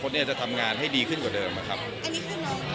คุณแม่น้องให้โอกาสดาราคนในผมไปเจอคุณแม่น้องให้โอกาสดาราคนในผมไปเจอ